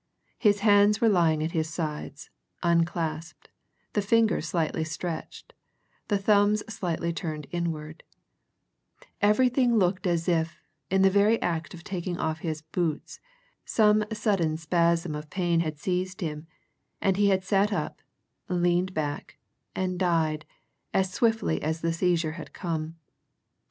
His hands were lying at his sides, unclasped, the fingers slightly stretched, the thumbs slightly turned inward; everything looked as if, in the very act of taking off his boots, some sudden spasm of pain had seized him, and he had sat up, leaned back, and died, as swiftly as the seizure had come.